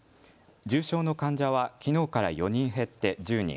重症の患者はきのうから４人減って１０人。